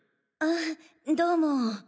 あどうも。